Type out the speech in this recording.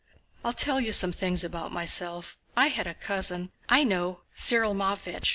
"I'll tell you some things about myself. I had a cousin..." "I know! Cyril Matvéich...